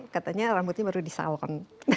katanya rambutnya baru disalon